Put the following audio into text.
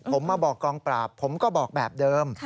ผมมาบอกกองปราบผมก็บอกแบบเดิม